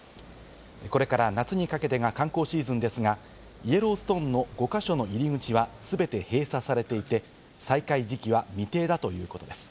これから夏にかけてが観光シーズンですが、イエローストーンの５か所の入り口はすべて閉鎖されていて、再開時期は未定だということです。